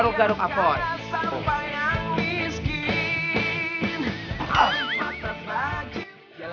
oda barai simsir